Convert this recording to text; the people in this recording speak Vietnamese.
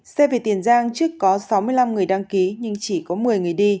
c về tiền giang trước có sáu mươi năm người đăng ký nhưng chỉ có một mươi người đi